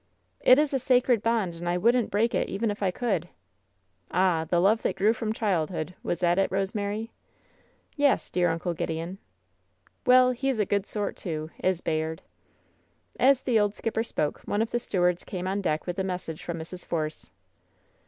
"It is a sacred bond, and I wouldn't break it even if I could." "Ah! the love that grew from childhood — was that it, Rosemary?" "Yes, dear Uncle Gideon." "Well, he's a good sort, too — ^is Bayard." WHEN SHADOWS DIE 67 As tlie old skipper spoke, one of the stewards came on deck with a message from Mrs. Force.